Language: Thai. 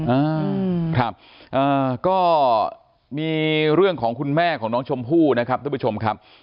อ่าครับอ่าก็มีเรื่องของคุณแม่ของน้องชมพู่นะครับทุกผู้ชมครับ